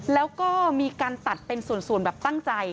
แล้วก็มีการตัดเป็นส่วนแบบตั้งใจ